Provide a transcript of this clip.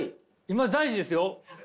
今大事ですよ！